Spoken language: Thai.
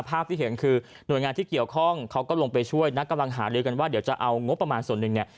ภาพที่เห็นคือหน่วยงานที่เกี่ยวข้องเขาก็ลงไปช่วยนะกำลังหาลือกันว่าเดี๋ยวจะเอางบประมาณส่วนหนึ่งเนี่ย